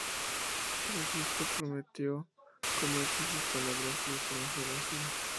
Tras esto prometió comerse sus palabras si esto no fuera así.